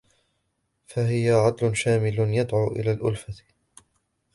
فَهِيَ عَدْلٌ شَامِلٌ يَدْعُو إلَى الْأُلْفَةِ